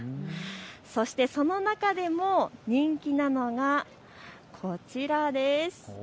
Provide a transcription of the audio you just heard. そしてその中でも人気なのがこちらです。